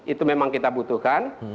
itu memang kita butuhkan